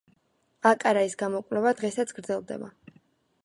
აკარაის გამოკვლევა დღესაც გრძელდება.